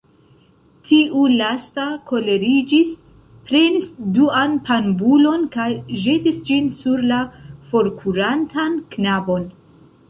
Tiu lasta koleriĝis, prenis duan panbulon kaj ĵetis ĝin sur la forkurantan knabon.